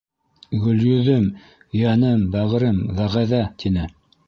— Гөлйөҙөм, йәнем, бәғерем... вәғәҙә, — тине.